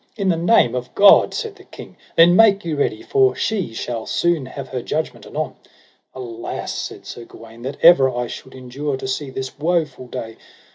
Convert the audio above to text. In the name of God, said the king, then make you ready, for she shall soon have her judgment anon. Alas, said Sir Gawaine, that ever I should endure to see this woful day.